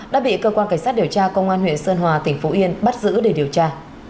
đã bị cơ quan cảnh sát điều tra công an huyện sơn hòa tỉnh phú yên bắt giữ để điều tra